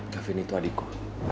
gafin itu adikku